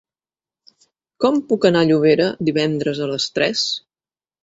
Com puc anar a Llobera divendres a les tres?